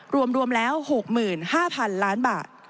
รวมแล้ว๖๕๐๐๐ล้านบาท